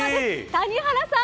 谷原さん